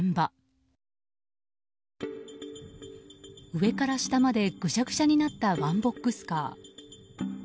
上から下までぐしゃぐしゃになったワンボックスカー。